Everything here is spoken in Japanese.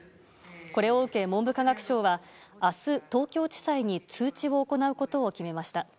これを受け、文部科学省は明日、東京地裁に通知を行うことを決めました。